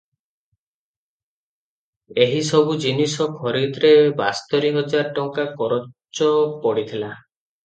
ଏହିସବୁ ଜିନିଷ ଖରିଦରେ ବାସ୍ତରି ହଜାର ଟଙ୍କା କରଚ ପଡ଼ିଥିଲା ।